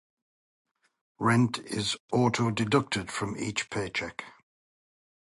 Rent is auto-deducted from each paycheck.